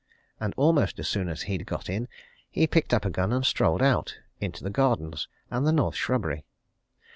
And almost as soon as he'd got in, he picked up a gun and strolled out into the gardens and the north shrubbery.